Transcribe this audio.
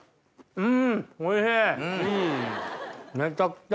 うん！